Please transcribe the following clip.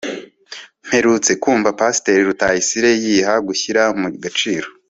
Mperutse kumva pasteur Rutayisire yiha gushyira mu gaciro